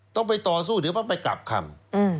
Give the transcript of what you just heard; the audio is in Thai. ต้องไปต่อสู้หรือว่าไปกลับคำ